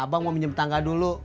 abang mau minjem tangga dulu